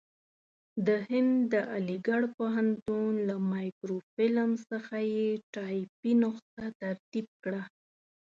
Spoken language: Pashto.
د هند د علیګړ پوهنتون له مایکروفیلم څخه یې ټایپي نسخه ترتیب کړه.